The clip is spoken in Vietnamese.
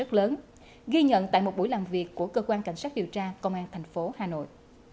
rất lớn ghi nhận tại một buổi làm việc của cơ quan cảnh sát điều tra công an thành phố hà nội